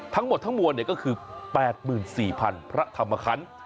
ทั้งหมดทั้งมวลก็คือ๘๔๐๐๐พระธรรมคัน